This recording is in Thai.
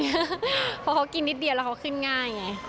เพราะเขากินนิดเดียวแล้วเขาขึ้นง่ายไง